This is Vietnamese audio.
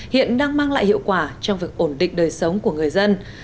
hiện đang mang lại hiệu quả trong việc ổn định đời sống của người dân